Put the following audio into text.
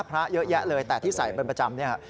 พระเยอะแยะเลยแต่ที่ใส่เป็นประจำเนี่ย